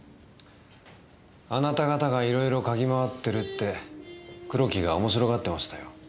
あなた方が色々嗅ぎまわってるって黒木が面白がってましたよ。